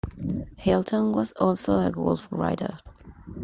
Hilton was also a golf writer.